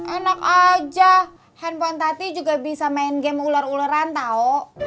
enak aja handphone tati juga bisa main game ular ularan tau